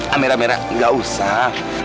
amira amira gak usah